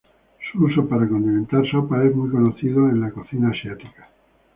Su uso para condimentar sopas es muy conocido en la cocina asiática.